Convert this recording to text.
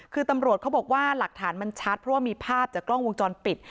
คือตำรวจเขาบอกว่าหลักฐานมันชัดเพราะว่ามีภาพจากกล้องวงจรปิด